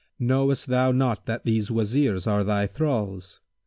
Knowest thou not that these Wazirs are thy thralls?